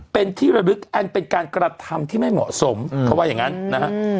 เป็นที่ระลึกอันเป็นการกระทำที่ไม่เหมาะสมเขาว่าอย่างนั้นนะฮะ